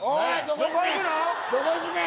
どこ行くねん！